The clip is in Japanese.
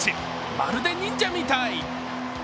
まるで忍者みたい！